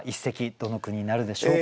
どの句になるでしょうか。